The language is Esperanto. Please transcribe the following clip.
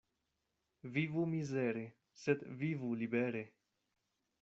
Vivu mizere, sed vivu libere!